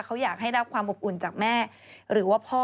เขาอยากให้รับความอบอุ่นจากแม่หรือว่าพ่อ